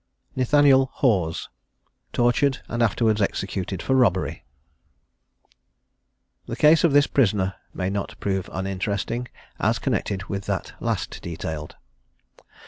NATHANIEL HAWES. TORTURED AND AFTERWARDS EXECUTED FOR ROBBERY. The case of this prisoner may not prove uninteresting, as connected with that last detailed.